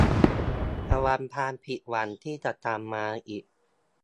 ระวังความผิดหวังที่จะมาอีก